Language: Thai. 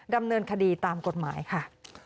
ดำเนินคดีตามกฎหมายค่ะ